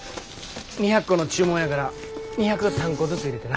２００個の注文やから２０３個ずつ入れてな。